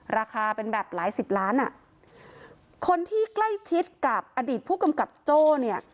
ราคาเป็นแบบหลายสิบล้านอ่ะคนที่ใกล้ชิดกับอดีตผู้กำกับโจ้เนี่ย